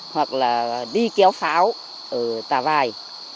hoặc là đi kéo pháo ở tà vài